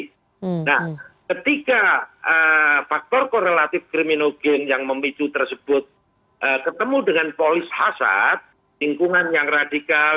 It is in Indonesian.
nah ketika faktor korelatif krimino geng yang memicu tersebut ketemu dengan polis hasad lingkungan yang radikal